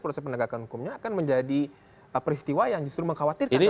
proses penegakan hukumnya akan menjadi peristiwa yang justru mengkhawatirkan